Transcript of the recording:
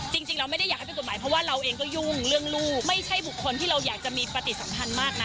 จริงเราไม่ได้อยากให้เป็นกฎหมายเพราะว่าเราเองก็ยุ่งเรื่องลูกไม่ใช่บุคคลที่เราอยากจะมีปฏิสัมพันธ์มากนะ